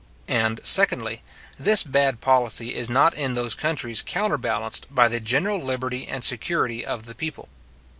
And, secondly, this bad policy is not in those countries counterbalanced by the general liberty and security of the people.